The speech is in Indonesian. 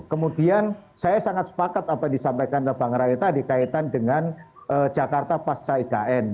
kemudian saya sangat sepakat apa yang disampaikan bang ray tadi kaitan dengan jakarta pasca ikn